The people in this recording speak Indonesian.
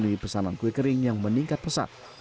melalui pesanan kue kering yang meningkat pesat